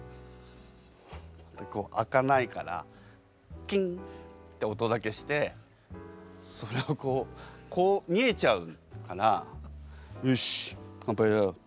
こう開かないからキンって音だけしてそれをこう見えちゃうから「よしっ乾杯だ」とかって。